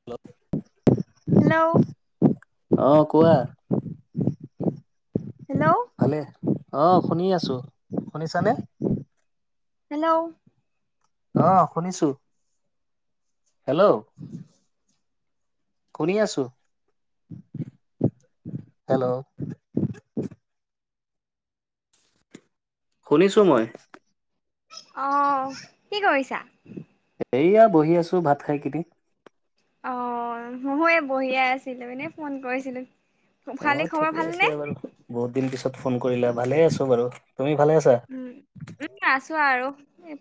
Hello, hello, অ, কোৱা। Hello, ভালে, অ, শুনি আছোঁ শুনিছানে? হেল্ল, অ, শুনিছো। হেল্ল, উ শুনি আছো, হেল্ল, শুনিছো, মই। অ, কি কৰিছা? এইয়া বহি আছো, ভাত খাই কিনি। অ, ময়ো এই বঢ়িয়াই আছিলো, এনেই ফোন কৰিছিলো। অ, ঠিকে আছে বাৰু বহুত দিন পিছত ফোন কৰিলা ভালে আছো বাৰু, তুমি ভালে আছা? উম, ম আছো আৰু,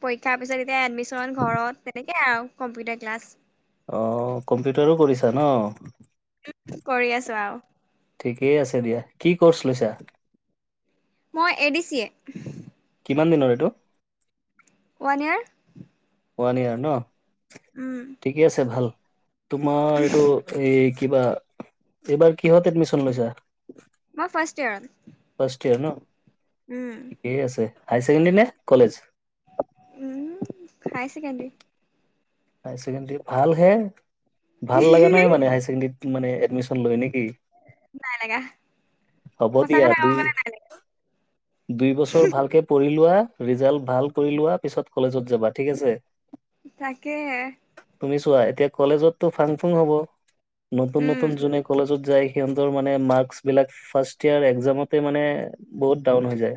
পৰীক্ষাৰ পিছত এতিয়া এডমিশন ঘৰত তেনেকে আৰু কম্পিউটাৰ ক্লাছ অ, কম্পিউটাৰো কৰিছা ন। কৰি আছো, আৰু। ঠিকেই আছে দিয়া, কি কৰ্চ লৈছা? মই, এ, ডি, চি, য়ে। কিমান দিনৰ এইটো? One, year. ওৱান ইয়েৰ, ন। উম, ঠিকে আছে ভাল, তোমাৰ এইটো এই কিবা এইবাৰ কিহত এডমিশন লৈছা? মই, ফষ্টট ইয়েৰত। ফাৰষ্ট ইয়েৰ ন। উম, কেই, আছে হাই ছেকেণ্ডেৰী নে কলেজ? উম, হাই চছেকেণ্ডাৰী। হাইছেকেণ্ডী ভাল হে, ভাল লগা নাই মানে হাই ছেকেণ্ডৰীত মানে এডমিশন লয় নেকি। নাই লাগা হ'ব সঁচা দিয়া কথা ক'ব দেই গ'লে নাই লাগা দুই বছৰ ভালকে পঢ়ি লোৱা ৰিজাল্ট ভাল কৰি লোৱা পিছত কলেজত যাবা ঠিক আছে তাকেহে তুমি চোৱা এতিয়া কলেজততো ফাং ফুং হব নতুন উম, নতুন যোনে কলেজত যায় সিহঁতৰ মানে মাৰ্কচ বিলাক ফাৰ্ষ্ট ইয়াৰ এক্জামতে মানে বহুত ডাউন হৈ যায়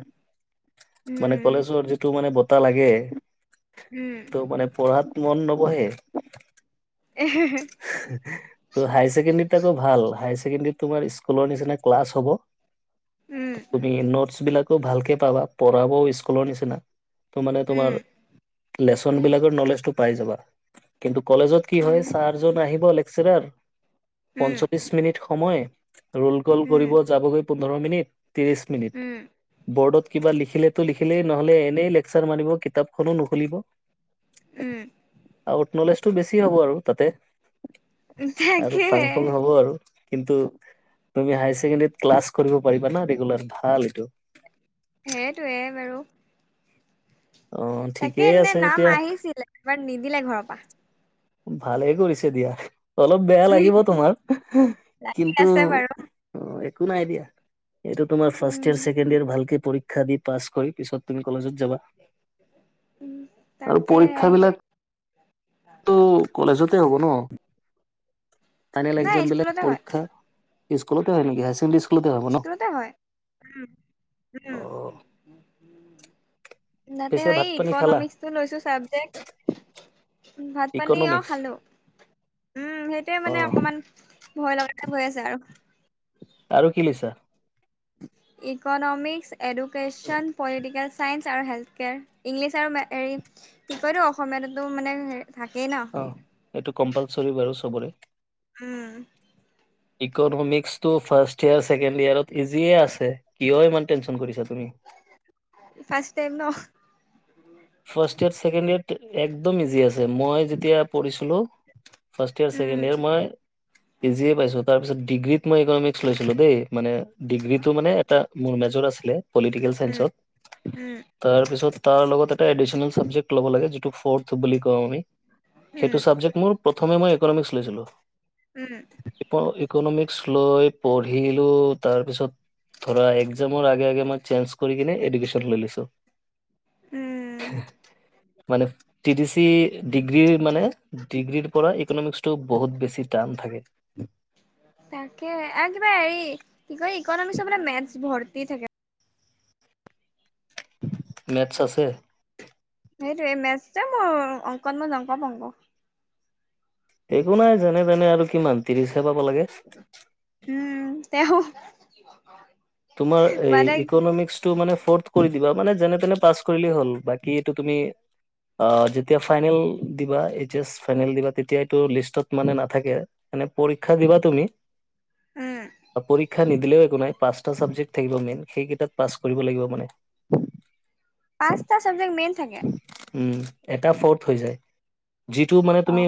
মানে উম, কলেজৰ যিটো মানে বতাহ লাগে উম, ত মানে পঢ়াত মন নবহে এহেহে ত' হাই ছেকেণ্ডৰী আকৌ ভাল হাই ছেকেণ্ডৰী তোমাৰ স্কুলৰ নিচিনা ক্লাছ হ'ব উম, তুমি নোটছ বিলাকো ভালকে পাবা পঢ়াব স্কুলৰ নিচিনা ত মানে উম। তোমাৰ লেচন বিলাকৰ নলেজটো পাই যাবা কিন্তু কলেজত কি উম, হয় চাৰজন আহিব লেকচাৰাৰ উম, পঞ্চল্লিশ মিনিট সময় ৰোল কল উম, কৰিব যাবগৈ পোন্ধৰ মিনিট ত্ৰিশ মিনিট উম, বৰ্ডত কিবা লিখিলেতো লিখিলেই নহ'লে এনেই লেকচাৰ মাৰিব কিতাপখনো নুখুলিব উম আউট নলেজটো বেছি হ'ব আৰু তাতে উম আৰু তাকে ফাং ফুং হ'ব আৰু কিন্তু তুমি হায় ছেকেণ্ডৰীত ক্লাছ কৰিব পাৰিবা না ৰেগুলাৰ ভাল এইটো সেইটোয়ে বাৰু অ তাকে ঠিকেই এনে আছে নাম এতিয়া আহিছিলে এবাৰ নিদিলে ঘৰৰ পা ভালেই কৰিছে দিয়া অলপ বেয়া লাগিব তোমাৰ লাগি কিন্তু আছে বাৰু অ' একো নাই দিয়া এইটো তোমাৰ ফাৰ্ষ্ট ইয়েৰ উম, ছেকেণ্ড ইয়েৰ ভালকে পৰীক্ ক্ষা দি পাছ কৰি পিছত তুমি কলেজত যাবা উম তাকে হেই উম কলেজতে হ'ব ন ফাইনেল নাই একজামবিলাক স্কুলতে হয় পৰীক্ষা স্কুলতে এনেকে আছামিছ স্কুলতে হয় উম অ' উম। তাতে পিছে হেই ভাত পানী খালা ইকনমিক্সটো লৈছো চাবজেক্ট ভাত পানী অ' ইকনমিক্স খালো উম সেইটোৱে মানে অ' অকমান ভয় লগা হৈ আছে আৰু আৰু কি লৈছা ইকনমিক্স এডুকেশ্যন পলিটিকেল ছাইন্স আৰু হেল্থ কেয়াৰ ইংলিছ আৰু মে হেৰি কি কয়তো অসমীয়াতো মানে থাকেই ন অ' এইটো কম্পালচৰি বাৰু চবৰে উম ইকনমিক্সটো ফাৰ্ষ্ট ইয়েৰ ছেকেণ্ড ইয়েৰত ইজিয়ে আছে কিয় ইমান টেনশন কৰিছা তুমি ফাৰ্ষ্ট টাইম ন ফাৰ্ষ্ট ইয়েৰ ছেকেণ্ড ইয়েৰত একদম ইজি আছে মই যেতিয়া পঢ়িছিলো ফাষ্ট ইয়াৰ উম, ছেকেণ্ড ইয়াৰ মই ইজিয়ে পাইছো তাৰ পিছত ডিগ্ৰীত মই ইকনমিক্স লৈছিলো দেই মানে ডিগ্ৰীটো মানে তা মোৰ মেজৰ আছিল পলিটিকেল উম, চাইন্সত উম, তাৰ পিছত তাৰ লগতে এটা এডিছেনেল চাবজেক্ট লব লাগে যিটো ফৰ্থ বুলি কওঁ আমি উম, সেতু চাবজেক্ট মোৰ প্ৰথমে মই একনমিক্স লৈছিলোঁ উম ইক ইকনমিক্স লৈ পঢ়িলো তাৰপিছত ধৰা এক্সামৰ আগে আগ মই চেঞ্জ কৰি কিনে এডুকেশ্বন লৈ লৈছো উম মানে টি ডি চি ডিগ্ৰীৰ মানে ডিগ্ৰীৰ পৰা ইকনমিক্সটো বহুত বেছি টান থাকে। তাকে আৰু কিবা হেৰি কি কয় ইকনমিক্সৰ বোলে মেথছ ভৰ্তি থাকে। মেটছ আছে? সেইটোৱে মেটচতে মোৰ অংকত মই জংক - পংক। একো নাই যেনে - তেনে আৰু কিমান তিৰিচহে পাব লাগে। উম, তেহু তোমাৰ এ ইকনমিক্সটো মানে ফৰ্থ কৰি দিবা মানে যেনে - তেনে পাছ কৰিলে হল, বাকি এইটো তুমি আ যেতিয়া ফাইনেল দিবা এইচ এছ ফাইনেল দিবা তেতিয়া এইটো লিষ্টত মানে নাথাকে। এনে পৰীক্ষা দিবা তুমি, উম, এ পৰীক্ষা নিদিলেও একো নাই পাঁচ ত ছাবজেক্ট থাকিব মেইন সেইকেইটাত পাছ কৰিব লাগিব মানে। পাঁচটা চাবজেক্ট মেইন থাকে। উম এটা ফৰ্থ হৈ যায়, যিটো মানে তুমি অ',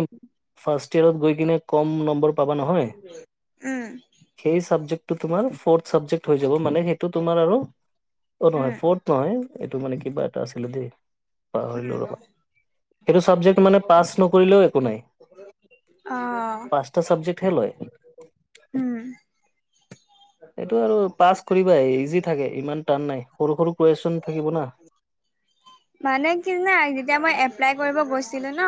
ফাৰ্ষ্ট ইয়েৰত গৈ কিনে কম নম্বৰ পাবা নহয়। উম, সেই চাবজেক্টটো তোমাৰ ফৰ্থ চাবজেক্ট হৈ যাব মানে সেইটো তোমাৰ আৰু অ' উম, নহয় ফৰ তৰ এইটো মানে কিবা এটা আছিলে দেই? উম, পাহৰিলোঁ ৰবা! সেইটো চাবজেক্ট মানে পাছ নকৰিলেও একো নাই। আহ পাঁচটা চাবজেক্টহে লয় উম। এইটো আৰু পাছ কৰিবাই ইজি থাকে ইমান টান নাই, সৰু - সৰু কুৱেচন থাকিব না। মানে কি জানা? যেতিয়া মই এপ্লাই কৰিব গৈছিলো ন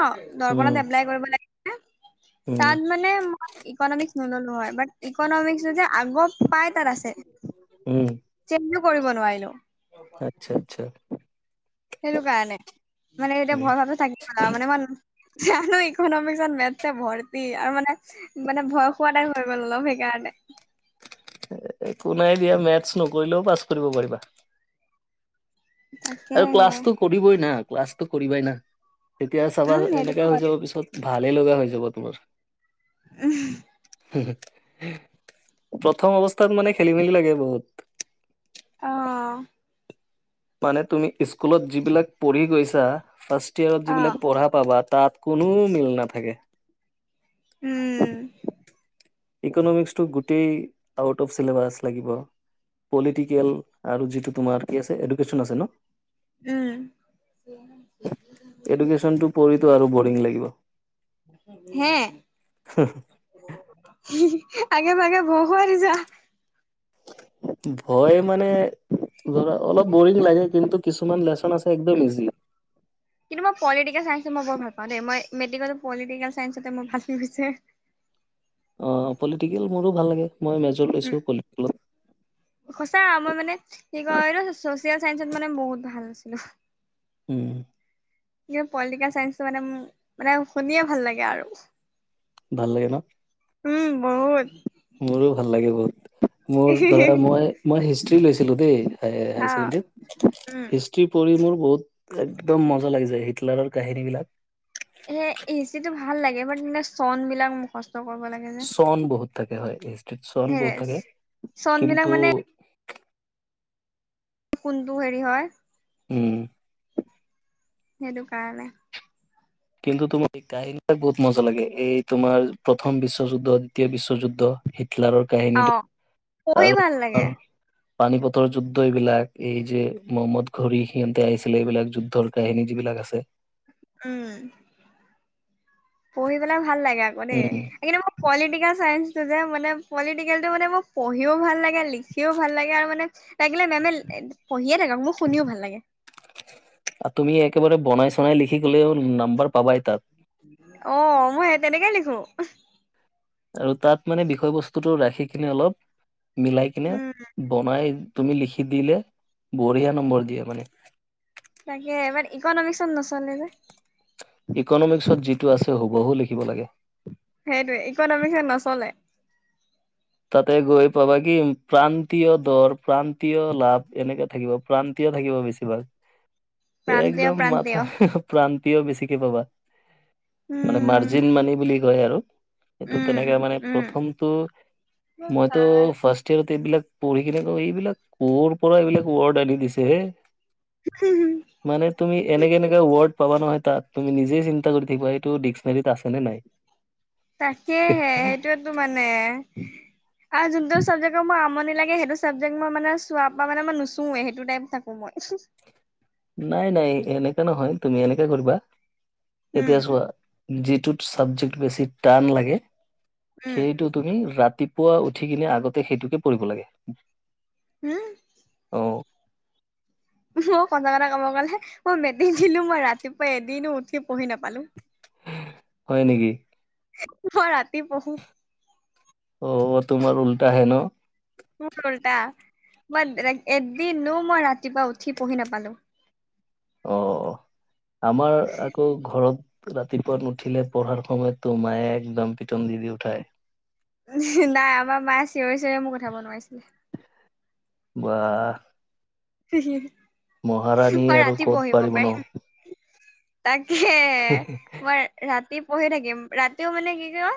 উম দৰ্পণত এপ্লাই কৰিব লাগি [inaudible] উম তাত মানে মই ইকনমিক্স নললো হয়, বাট ইকনমিক্স যযে আগৰ পাই তাত আছে। উম চেঞ্জো কৰিব নোৱাৰিলো। আচ্ছা আচ্ছা। সেইটো কাৰণে মানে এতিয়া উম। ভয় ভাৱে থাকিব না [inaudible] আৰু মানে মান জানো ইকনমিক্সত মেথছে ভৰ্তি আৰু মানে মানে ভয় খোৱা নাই হৈ গ'ল অলপ সেইকাৰণে। এ একো নাই দিয়া মেথছ নকৰিলেও পাছ কৰিব পাৰিবা। আৰু তাকেহে ক্লাছটো কৰিবই না, ক্লাছটো কৰিবাই না তেতিয়া চাবা উম সেইটো এনেকে হৈ হয় যাব পিছত ভালে লগা হৈ যাব তোমাৰ। উহ হুহু হু প্ৰথম অৱস্থাত মানে খেলি - মেলি লাগে বহুত। অহ। মানে তুমি স্কুলত যিবিলাক পঢ়ি গৈছা, ফাৰ্ষ্ট ইয়েৰত অ যিবিলাক পঢ়া পাবা তাত কোনো মিল নাথাকে। উম। ইকনমিক্সটো গোটেই আউট অফ চিলেবাছ লাগিব। পলিটিকেল আৰু যিটো তোমাৰ কি আছে এডোকেশন আছে ন? উম। এডুকেশ্যনটো পঢ়িতো আৰু বৰিং লাগিব। হে! হুহু আগে পাগে ভয় খুৱাই দিছা। ভয় মানে ধৰা অলপ বৰিং লাগে কিন্তু কিছুমান লেচন আছে একদম ইজি। কিন্তু মই পলিটিকেল চাইন্সত মই বৰ ভাল পাওঁ দে, মই মেটিকত পলিটিকেল চাইন্সতে মই ভাল ভিছে। অঁ, পলিটিকেল মোৰো ভাল লাগে, মইও মেজৰ উম, লৈছো পলিটিকেলত। সঁচা মই মানে কি কয় চচিয়েল চাইন্সত মানে বহুত ভাল আছিলো। উম। পলিটিকেল চাইন্সটো মানে মোৰ মানে শুনিয়ে ভাল লাগে আৰু। ভাল লাগে ন? উম, বহুত। মোৰো ভাল লাগে বহুত, মোৰ ধৰা মই, মই হিষ্ট্ৰী লৈছিলো দেই। এ অ হাই চেকেণ্ডাৰীত উম। হিচ কি পঢ়ি মোৰ বহুত একদম মজা লাগি যায় হিটলাৰৰ কাহিনী বিলাক। এ এচিটো ভাল লাগে বাট মানে চন বিলাক মুখস্ত কৰিব লাগে। যে চন বহুত থাকে হয় হিষ্ট্ৰীত চন সেইৰে। বহুত থাকে চন বিলাক কিন্তু মানে কোনটো হেৰি হয়? উম। সেইটো কাৰণে। কিন্তু তোমাৰ সেই কাহিনী বিলাক বহুত মজা লাগে, এই তোমাৰ প্ৰথম বিশ্বযুদ্ধ, দ্বিতীয় বিশ্বযুদ্ধ। হিটলাৰৰ অ কাহিনীটো পঢ়ি ভাল লাগে আৰু পানী পথৰ যুদ্ধ এইবিলাক এই যে মহম্মদ ঘড়ী সিহঁতে আহিছিলে এইবিলাক যুদ্ধৰ কাহিনী যিবিলাক আছে। উম, পঢ়ি পেলাই ভাল লাগে আকৌ দেই উম কিন্তু পলিটিকেল চাইন্সটো যে মানে পলিটিকেলটো মানে মোৰ পঢ়িও ভাল লাগে লিখিও ভাল লাগে আৰু মানে [unintelligible] পঢ়িয়ে থাকে মোৰ শুনিও ভাল লাগে। আৰু তুমি একেবাৰে বনাই-চনাই লিখি গলেও নাম্বাৰ পাবাই তাত। অঁ, মই সেই তেনেকে লিখো। আৰু তাত মানে বিষয়বস্তুটো ৰাখি কিনে অলপ মিলাই কিনে উম, বনাই তুমি লিখি দিলে বঢ়িয়া নম্বৰ দিয়ে মানে। তাকে বাট ইকনমিক্সত নচলে যে। ইকনমিক্সত যিটো আছে হুবহু লিখিব লাগে। সেইটোয়ে ইকনমিক হে নচলে। তাতে গৈ পাবা কি প্ৰান্তীয় দৰ প্ৰান্তীয় লাভ এনেকে থাকিব। প্ৰান্তিয় থাকিব বেছিভাগ। [inaudible] প্ৰান্তীয় একদম মাথা প্ৰান্তীয় প্ৰান্তিও বেছিকে পাবা। মানে উম, মাৰ্জিন মানি বুলি কয় আৰু সেইটো উম, তেনেকে মানে উম। প্ৰথমটো মইতো ফাষ্ট ইয়াৰত এইবিলাক পঢ়ি কিনে আকৌ এইবিলাক কৰ পৰা এইবিলাক ৱৰ্ড আনি দিছে হে। [inaudible] মানে তুমি এনেকা-এনেকা ৱৰ্ড পাবা নহয় তাত তুমি নিজেই চিন্তা কৰি থাকিবা সেইটো ডিস্কনাৰিত আছেনে নাই। [inaudible] তাকেহে সেইটোয়েতো মানে আৰু যোনটো চাবজেক্টৰ মোৰ আমনি লাগে সেইটো চাবজেক্ট মই মানে চোৱা পৰা মানে মই নুচোয়ে সেইটো টাইপ থাকো মই। নাই-নাই এনেকা নহয় তুমি এনেকাে কৰিবা, উম। এতিয়া চোৱা যিটোত ছাবজেক্ট বেছি টান লাগে উম, সেইটোত তুমি ৰাতিপুৱা উঠি কিনে আগতে সেইটোকে পৰিব লাগে। উম। অঁ। মই সঁচা কথা কব গলে মই মেট্ৰিক দিলো মই ৰাতিপুৱা এদিনো উঠি পঢ়ি নাপালো। হয় নেকি? মই ৰাতি পঢ়ো। অ তোমাৰ উল্টাহে ন। উল্টা মই এদিনো মই ৰাতিপুৱা উঠি পঢ়ি নাপালো। অ অ আমাৰ আকৌ ঘৰত। ৰাতিপুৱা ন নুঠিলে পঢ়াৰ সময়ত তো মায়ে একদম পিটন দি দি উঠাই। নাই আমাৰ মায়ে চিঞৰি চিঞৰি মোক কঠাব নোৱাৰিছিলে। বাহ। মহাৰাণী মই আৰু ৰাতি ক'ত পঢ়িব পাৰিব ন পাৰিম। তাকে মই ৰাতি পঢ়ি থাকিম ৰাতিও মানে কি কয়,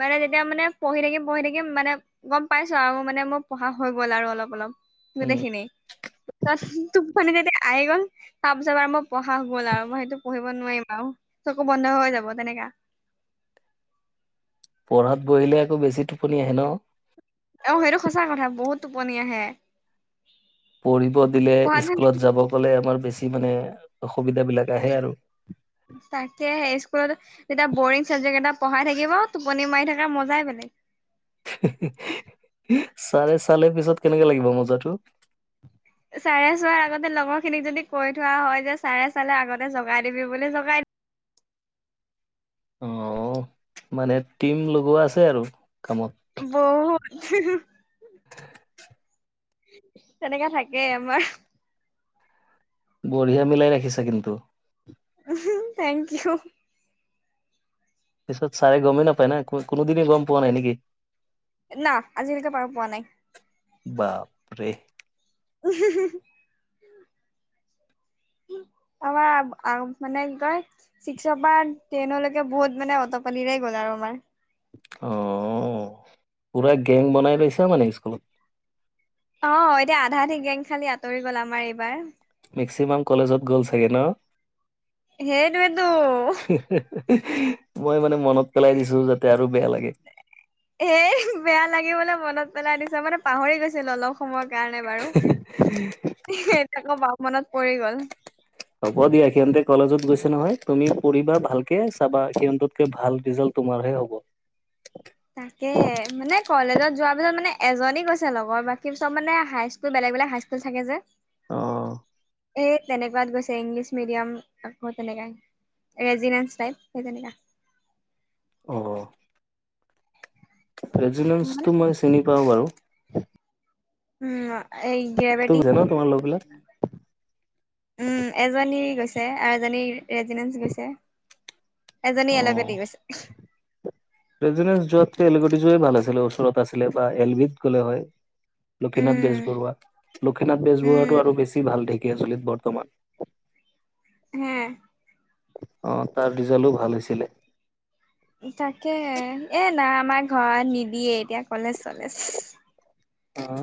মানে তেতিয়া মানে পঢ়ি থাকিম পঢ়ি থাকিম মানে। গ'ম পাইছ আৰু মানে মোৰ পঢ়া হৈ গ'ল আৰু অলপ অলপ উম গোটেইখিনি। টোপনি যেতিয়া আহি গ'ল তাৰ পিছত বাৰ মই পঢ়া গ'ল আৰু মই সেইটো পঢ়ি নোৱাৰিম আৰু চকু বন্ধ হৈ যাব তেনেকা। পঢ়াত বহিলে আৰু বেছি টোপনি আহে ন। অ সেইটো সঁচা কথা বহুত টোপনি আহে। পঢ়িব দিলে পঢ়াত স্কুলত যাব গলে আমাৰ বেছি মানে অসুবিধা বিলাক আহে আৰু। তাকে স্কুলত যেতিয়া বৰিং চাবজেক্ট এটা পঢ়াই থাকিব টোপনি মাৰি থকা মজাই বেলেগ। চাৰে চালে পিছত কেনেকে লাগিব মজাটো। চাৰে চোৱাৰ আগতে লগৰ খিনিক যদি কৈ থোৱা হয় যে চাৰে চালে আগতে জগাই দিবি বুলি জগাই অ মানে টিম লগোৱা আছে আৰু কামত বহুত। [inaudible] তেনেকা থাকেই আমাৰ। বঢ়িয়া মিলাই ৰাখিছা কিন্তু। উমহো থেংক ইউ। পিছত ছাৰে গমেই নাপায় না কোনোদিনে গম পোৱা নাই নেকি? না আজিলৈকে পাৰ পোৱা নাই। বাপ ৰে হে হে। আমাৰ মানে কি কয়। ছিক্সৰ পৰা টেনলৈকে বহুত মানে অট পালিৰে গ'ল আৰু আমাৰ অ পুৰা গেং বনাই লৈছে মানে স্কুলত। অ এতিয়া আধা আধি গেং খালি আঁতৰি গ'ল আমাৰ এইবাৰ। মেক্সিমাম কলেজত গ'ল চাগে ন। হেইটোৱে টো। হে হে। মই মানে মনত পেলাই দিছো যাতে আৰু বেয়া লাগে। এ বেয়া লাগিবলৈ মনত পেলাই দিছা মানে পাহৰি গৈছিলো অলপ। সময়ৰ কাৰণে বাৰু এতিয়া আকৌ মনত পৰি গ'ল। হ'ব দিয়া সিহঁতে কলেজত গৈছে নহয় তুমি পঢ়িবা ভালকে চাবা সিহঁতকে ভাল ৰিজাল্ট তোমাৰহে হ'ব। উ [inaudible] তাকে, মানে কলেজত যোৱাৰ পিছত মানে এজনী গৈছে লগৰ, বাকী চব মানে হাইস্কুল বেলেগ বেলেগ হাইস্কুল থাকে যে অ এই তেনেকোৱাত গৈছে ইংলিছ মিডিয়াম আকৌ তেনেকাই ৰেজিডেঞ্চ টাইপ সেই তেনেকা অ মানে ৰেজিনেঞ্চটো মই চিনি পাও বাৰু উম এই তোক গ্ৰেবেটি জানো তোমাৰ লগবিলাক উম এজনী গৈছে আৰু এজনী ৰেজিডেঞ্চ গৈছে এজনী এলেকেদি গৈছে ৰেজনেঞ্চ যোৱাতকে এলগেদি যোৱাই ভাল আছিলে ওচৰত আছিলে বা এল বিত গ'লে হয় লক্ষ্মীনাথ উম, বেজবৰুৱা লক্ষ্মীনাথ উম, বেজবৰুৱাটো আৰু বেছি ভাল ঢেকীয়াজুলিত বৰ্তমান হম অ তাৰ ৰিজাল্টও ভাল হৈছিলে তাকে এ নাই আমাৰ ঘৰত নিদিয়ে এতিয়া কলেজ চলেজ অ